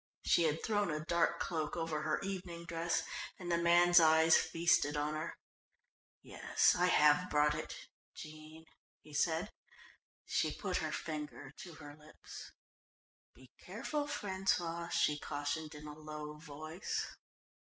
She had thrown a dark cloak over her evening dress, and the man's eyes feasted on her. "Yes, I have brought it Jean," he said. She put her finger to her lips. "Be careful, François," she cautioned in a low voice.